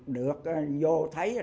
được vô thấy